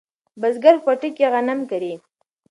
بزګر په پټي کې غنم کري.